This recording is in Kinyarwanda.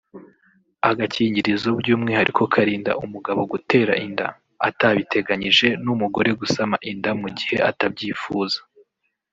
Agakingirizo by’umwihariko karinda umugabo gutera inda atabiteganyije n’umugore gusama inda mu gihe atabyifuza